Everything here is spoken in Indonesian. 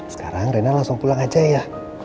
sekarang rena langsung pulang aja ya